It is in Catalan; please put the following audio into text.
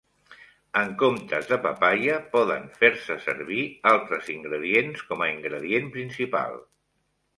En comptes de papaia poden fer-se servir altres ingredients com a ingredient principal.